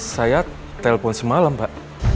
saya telpon semalam pak